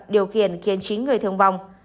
điều khiển khiến chín người thương vong